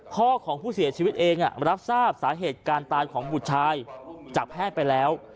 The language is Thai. พ่อของผู้เสียชีวิตเองรับทราบสาเหตุการตายของบุตรชายจากแพทย์ไปแล้ว